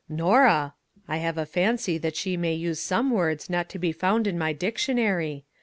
" Norah ! I have a fancy that she may use some words not to be found in my dictionary.